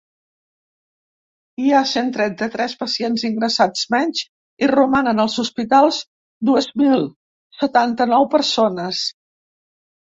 Hi ha cent trenta-tres pacients ingressats menys, i romanen als hospitals dues mil setanta-nou persones.